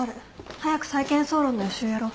早く債権総論の予習やろう。